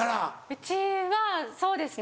うちはそうですね